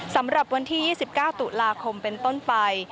สำหรับวันที่๒๙ตุลาคมเป็นต้นไป